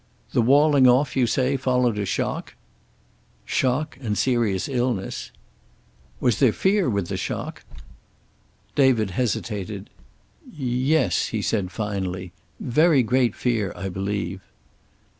"The walling off, you say, followed a shock?" "Shock and serious illness." "Was there fear with the shock?" David hesitated. "Yes," he said finally. "Very great fear, I believe."